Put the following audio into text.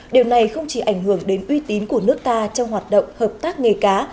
điều này không chỉ ảnh hưởng đến uy tín của nước ta trong hoạt động hợp tác nghề cá